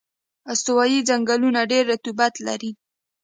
استوایي ځنګلونه ډېر رطوبت لري.